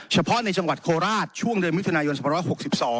เฉพาะในจังหวัดโคราชช่วงเดือนมิถุนายน๒๖๒